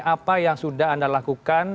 apa yang sudah anda lakukan